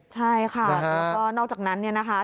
ใช่ค่ะแล้วก็นอกจากนั้นเนี่ยนะคะ